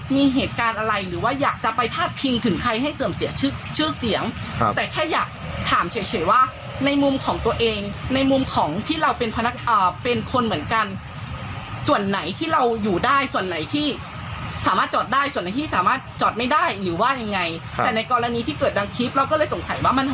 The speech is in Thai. เพราะเราก็อยากเห็นกรณีศึกษา